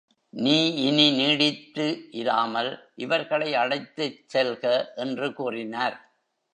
நீ இனி நீட்டித்து இராமல் இவர்களை அழைத்துச் செல்க என்று கூறினார்.